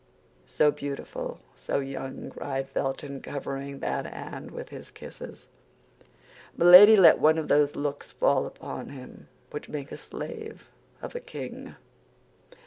"So beautiful! so young!" cried Felton, covering that hand with his kisses. Milady let one of those looks fall upon him which make a slave of a king.